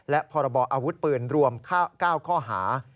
และพรบอาวุธปืนรวม๙ข้อหา